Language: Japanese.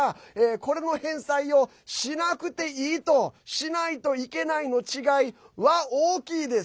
これの返済をしなくていいとしないといけないの違いは大きいです。